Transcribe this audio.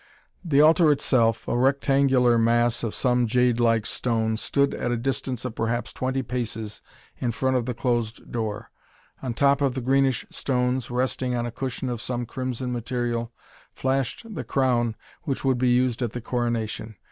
The altar itself, a rectangular mass of some jadelike stone, stood at a distance of perhaps twenty paces in front of the closed door. On top of the greenish stones, resting on a cushion of some crimson material, flashed the crown which would be used at the coronation.